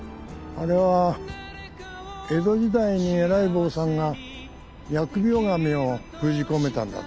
あれは江戸時代に偉い坊さんが疫病神を封じ込めたんだって。